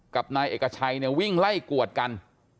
กับนายเอกชัยเนี่ยวิ่งไล่กวดกัน